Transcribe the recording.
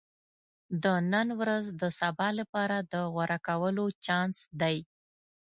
• د نن ورځ د سبا لپاره د غوره کولو چانس دی.